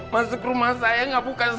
masuk rumah saya gak buka sepenuhnya